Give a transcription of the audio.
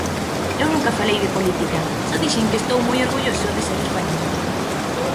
Eu nunca falei de política, só dixen que estou moi orgulloso de ser español.